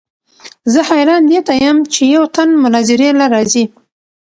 زۀ حېران دې ته يم چې يو تن مناظرې له راځي